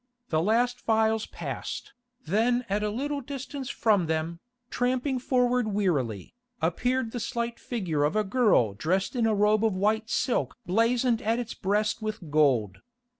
The last files passed, then at a little distance from them, tramping forward wearily, appeared the slight figure of a girl dressed in a robe of white silk blazoned at its breast with gold.